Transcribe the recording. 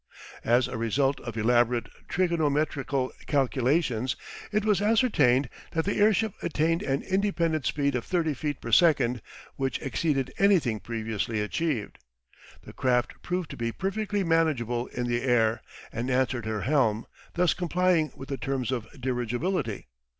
As a result of elaborate trigonometrical calculations it was ascertained that the airship attained an independent speed of 30 feet per second, which exceeded anything previously achieved. The craft proved to be perfectly manageable in the air, and answered her helm, thus complying with the terms of dirigibility.